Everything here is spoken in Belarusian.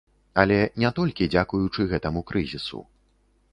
Але не толькі дзякуючы гэтаму крызісу.